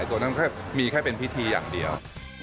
ตัวนั้นแค่มีแค่เป็นพิธีอย่างเดียว